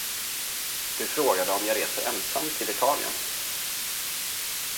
Du frågade om jag reser ensam till Italien.